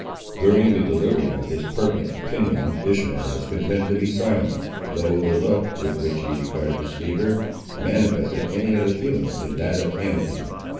During the delivery of this pertinent opinion, Ishmael was content to be silent, though the look, with which he regarded the speaker, manifested any other feeling than that of amity.